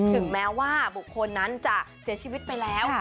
ถึงแม้ว่าบุคคลนั้นจะเสียชีวิตไปแล้ว